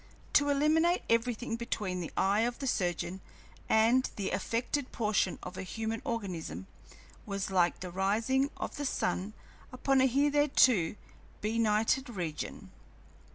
To eliminate everything between the eye of the surgeon and the affected portion of a human organism was like the rising of the sun upon a hitherto benighted region.